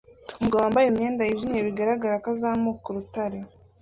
Umugabo wambaye imyenda yijimye bigaragara ko azamuka urutare